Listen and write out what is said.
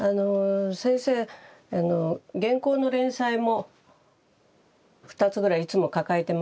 先生原稿の連載も２つぐらいいつも抱えてましたので